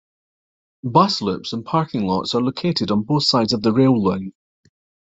Bus loops and parking lots are located on both sides of the rail line.